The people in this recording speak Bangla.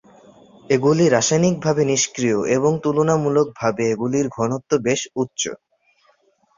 এগুলি রাসায়নিকভাবে নিষ্ক্রিয় এবং তুলনামূলকভাবে এগুলির ঘনত্ব বেশ উচ্চ।